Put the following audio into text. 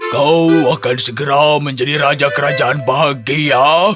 kau akan segera menjadi raja kerajaan bahagia